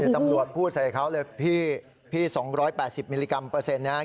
ตำรวจพูดใส่เขาเลยพี่๒๘๐มิลลิกรัมเปอร์เซ็นต์นะครับ